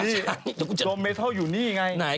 ดมเมทัลอยู่นี่ไง